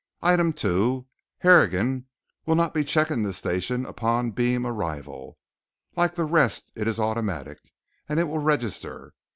"Item Two: Harrigan will not be checking this station upon beam arrival. Like the rest it is automatic, and it will register.